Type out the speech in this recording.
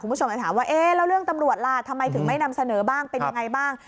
คุณผู้ชมจะถามว่าเอ๊ะแล้วเรื่องตำรวจล่ะทำไมถึงไม่นำเสนอบ้างเป็นยังไงบ้าง